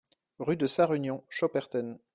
Rue de Sarre-Union, Schopperten